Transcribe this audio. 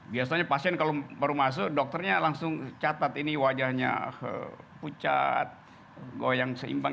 biasanya pasien kalau baru masuk dokternya langsung catat ini wajahnya pucat goyang seimbang